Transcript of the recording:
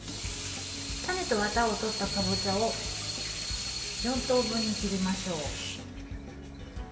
種とワタを取ったかぼちゃを４等分に切りましょう。